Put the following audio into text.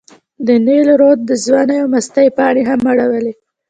د نیل رود د ځوانۍ او مستۍ پاڼې مې اړولې.